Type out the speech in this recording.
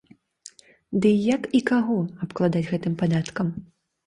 Дый як і каго абкладаць гэтым падаткам?